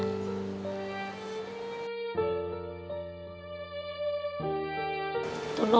ผมคิดว่าสงสารแกครับ